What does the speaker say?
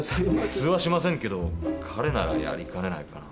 普通はしませんけど彼ならやりかねないかな。